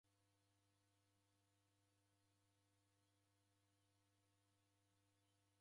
Koti esoghora ituku jesikira kesi yape.